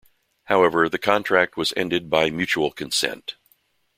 However, the contract was ended by "mutual consent".